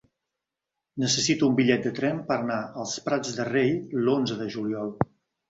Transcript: Necessito un bitllet de tren per anar als Prats de Rei l'onze de juliol.